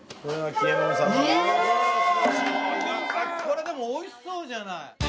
これでもおいしそうじゃない！